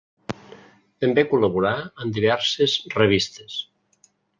També col·laborà en diverses revistes.